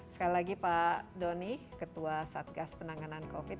sekali lagi pak doni ketua satgas penanganan covid sembilan belas